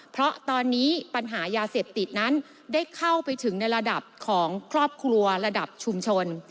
เพราะตอนนี้ปัญหายาเสพติดนั้นได้เข้าไปถึงในระดับของครอบครัวระดับชุมชน